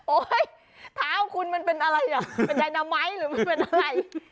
เท้าคุณมันเป็นอะไรอ่ะเป็นใดนาไม้หรือมันเป็นอะไร